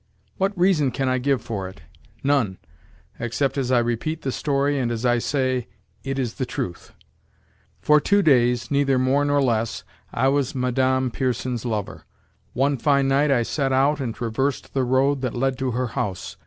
What reason can I give for it? None, except as I repeat the story and as I say: "It is the truth." For two days, neither more nor less, I was Madame Pierson's lover. One fine night, I set out and traversed the road that led to her house.